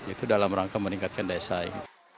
itu dalam rangka meningkatkan daya saing